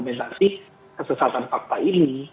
mengalami kesesatan fakta ini